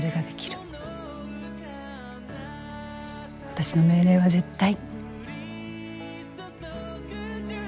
私の命令は絶対。